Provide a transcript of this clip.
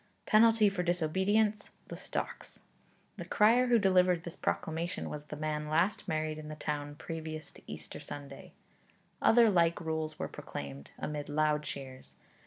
Penalty for disobedience: the stocks. The crier who delivered this proclamation was the man last married in the town previous to Easter Sunday. Other like rules were proclaimed, amid loud cheers.